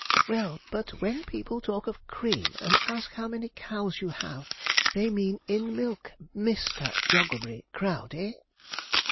'Well; but when people talk of cream, and ask how many cows you have, they mean in milk, Mister Jogglebury Crowdey.'